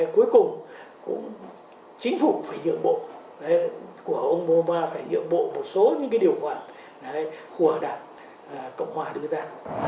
cuối cùng cũng chính phủ phải nhượng bộ của ông mo phải nhượng bộ một số những điều khoản của đảng cộng hòa đưa ra